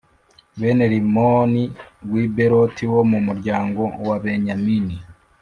bene Rimoni w’i Bēroti wo mu muryango wa Benyamini.